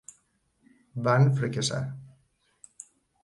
Van fracassar.